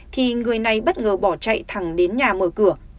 thì người này bất ngờ bỏ chạy thẳng đến nhà mở cửa